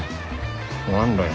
何だよ。